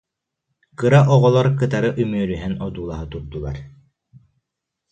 Кыра оҕолор кытары үмүөрүһэн одуулаһа турдулар